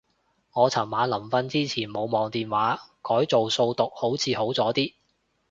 我尋晚臨瞓之前冇望電話，改做數獨好似好咗啲